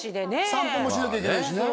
散歩もしなきゃいけないしね